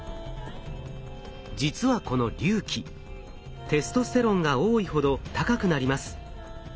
実はこの隆起テストステロンが多いほど高くなります。